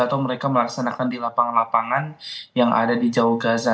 atau mereka melaksanakan di lapangan lapangan yang ada di jauh gaza